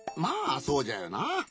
まあそうじゃよな。